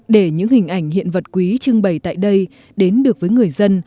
để những hình ảnh hiện vật quý trưng bày tại đây đến được với người dân